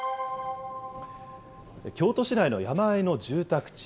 京都市内の山あいの住宅地。